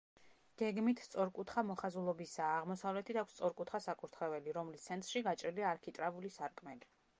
გეგმით სწორკუთხა მოხაზულობისაა, აღმოსავლეთით აქვს სწორკუთხა საკურთხეველი, რომლის ცენტრში გაჭრილია არქიტრავული სარკმელი.